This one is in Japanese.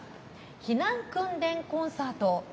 避難訓練コンサート。